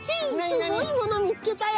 すごいものをみつけたよ！